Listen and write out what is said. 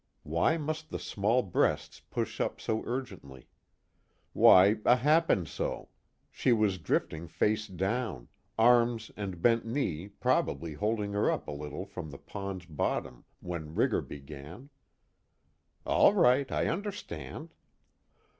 Why must the small breasts push up so urgently? Why, a happen so: she was drifting face down, arms and bent knee probably holding her up a little from the pond's bottom, when rigor began all right, I understand.